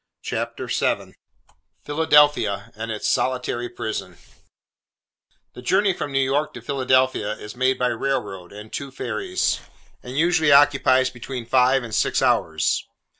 CHAPTER VII PHILADELPHIA, AND ITS SOLITARY PRISON THE journey from New York to Philadelphia, is made by railroad, and two ferries; and usually occupies between five and six hours.